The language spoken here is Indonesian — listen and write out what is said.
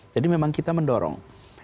jadi memang kita mendorong